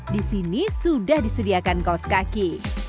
di sini sudah disediakan kaos kaki